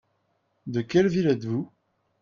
De quelle ville êtes-vous ?